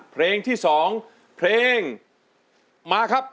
เพลงที่๒มาครับ